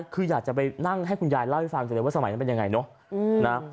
คืออยากจะไปนั่งให้คุณยายเล่าให้ฟังเสร็จเลยว่าสมัยนั้นเป็นยังไงเนอะ